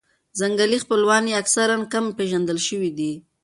ځنګلي خپلوان یې اکثراً کم پېژندل شوي دي.